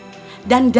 dan dany itu ayahmu